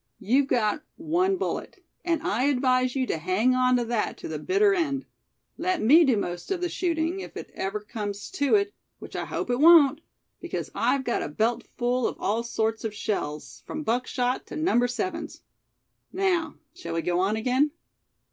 You've got one bullet, and I advise you to hang on to that to the bitter end. Let me do most of the shooting, if it ever comes to it, which I hope it won't; because I've got a belt full of all sorts of shells, from buckshot to Number Sevens. Now, shall we go on again?"